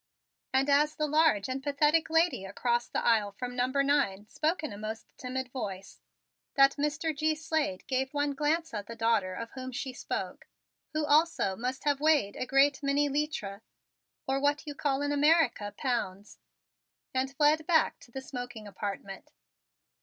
And as the large and pathetic lady across the aisle from number nine spoke in a most timid voice, that Mr. G. Slade gave one glance at the daughter of whom she spoke, who also must have weighed a great many litre, or what you call in America, pounds, and fled back to the smoking apartment.